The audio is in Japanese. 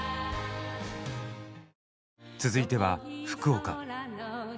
続いては福岡。